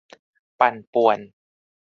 ปั่นป่วน